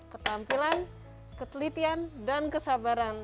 ketampilan ketelitian dan kesabaran